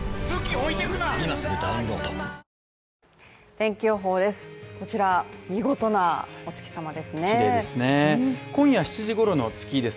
天気予報です。